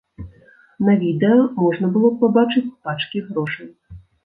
На відэа можна было пабачыць пачкі грошай.